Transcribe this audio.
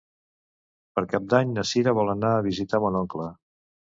Per Cap d'Any na Cira vol anar a visitar mon oncle.